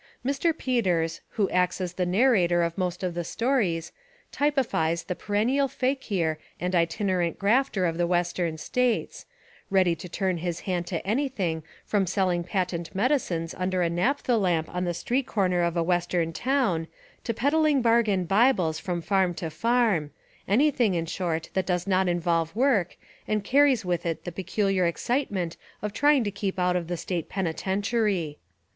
Mr. Peters, who acts as the narrator of most of the stories, typifies the perennial fakir and itinerant grafter of the Western States, — ready to turn his hand to anything from selling patent medicines under a naphtha lamp on the street corner of a west ern town to peddling bargain Bibles from farm to farm, — anything in short that does not in volve work and carries with it the peculiar ex citement of trying to keep out of the State peni tentiary.